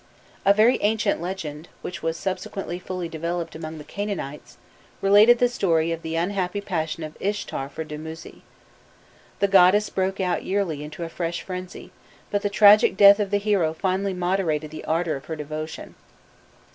A very ancient legend, which was subsequently fully developed among the Canaanites, related the story of the unhappy passion of Ishtar for Dumuzi. The goddess broke out yearly into a fresh frenzy, but the tragic death of the hero finally moderated the ardour of her devotion.